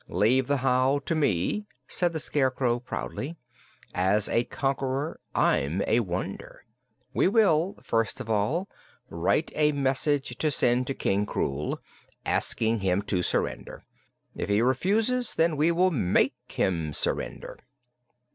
"Leave the how to me," said the Scarecrow proudly. "As a conqueror I'm a wonder. We will, first of all, write a message to send to King Krewl, asking him to surrender. If he refuses, then we will make him surrender."